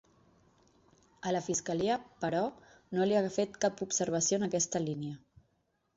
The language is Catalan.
A la fiscalia, però, no li ha fet cap observació en aquesta línia.